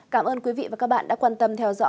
cảm ơn quý vị và các bạn đã quan tâm